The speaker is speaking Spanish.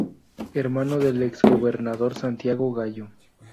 Hermano del ex-gobernador Santiago Gallo.